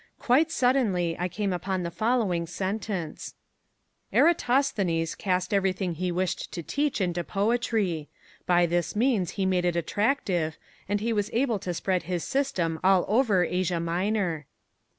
Quite suddenly I came upon the following sentence: "Eratosthenes cast everything he wished to teach into poetry. By this means he made it attractive, and he was able to spread his system all over Asia Minor."